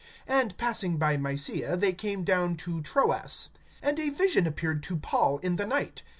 (8)And passing by Mysia, they came down to Troas. (9)And a vision appeared to Paul in the night.